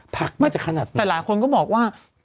ผักน่าจะขนาดนั้นแต่หลายคนก็บอกว่า